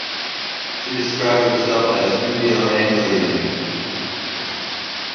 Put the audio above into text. She describes herself as Indo-Anglian.